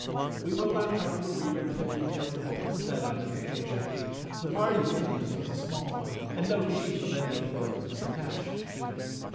We will not trouble the reader with the details of what was said on this occasion. The party of Indians was a small one, and no chief of any importance was attached to it.